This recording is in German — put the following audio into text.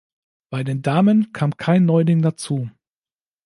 Bei den Damen kam kein „Neuling“ dazu.